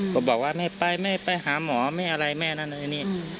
บอกว่าไม่ไปไม่ไปหาหมอไม่อะไรแม่นั่นอะไรนี่